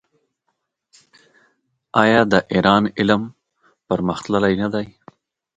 آیا د ایران علم پرمختللی نه دی؟